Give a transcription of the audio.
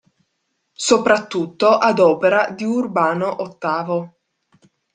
Soprattutto ad opera di Urbano VIII.